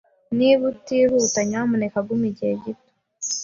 Niba utihuta, nyamuneka guma igihe gito.